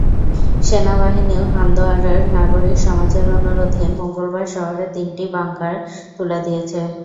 সেনাবাহিনীও হান্দোয়ারার নাগরিক সমাজের অনুরোধে মঙ্গলবার শহরের তিনটি বাংকার তুলে দিয়েছে।